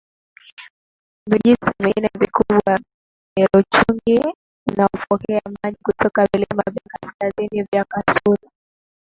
Vijito vingine vikubwa ni Ruchungi unaopokea maji kutoka vilima vya kaskazini vya Kasulu